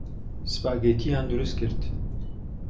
سپاگێتییان دروست کرد.